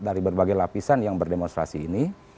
dari berbagai lapisan yang berdemonstrasi ini